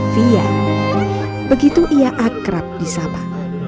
fia begitu ia akrab di sapa